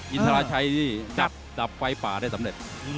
อินทราชัยนี่จับดับไฟป่าได้สำเร็จ